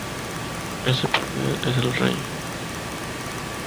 Ese poder es el rey.